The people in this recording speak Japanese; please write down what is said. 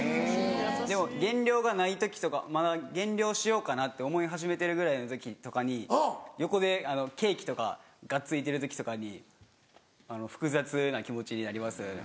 でも減量がない時とかまだ減量しようかなって思い始めてるぐらいの時とかに横でケーキとかがっついてる時とかに複雑な気持ちになります。